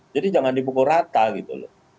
jadi jangan dibukul rata gitu loh